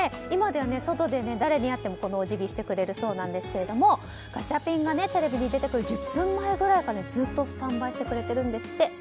今では、外で誰に会ってもこのお辞儀をしてくれるそうなんですがガチャピンがテレビに出てくる１０分前ぐらいからずっとスタンバイしてくれてるんですって。